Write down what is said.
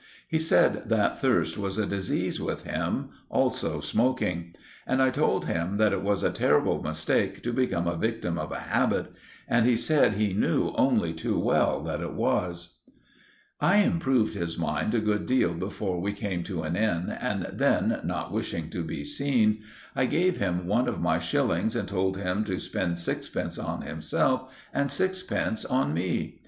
He said that thirst was a disease with him, also smoking; and I told him that it was a terrible mistake to become the victim of a habit; and he said he knew only too well that it was. I improved his mind a good deal before we came to an inn, and then, not wishing to be seen, I gave him one of my shillings and told him to spend sixpence on himself and sixpence on me.